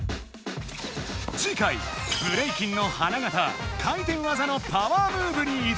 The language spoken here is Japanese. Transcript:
次回ブレイキンの花形回転技のパワームーブにいどむ！